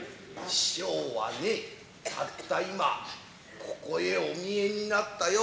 師匠はねたった今ここへお見えになったよ。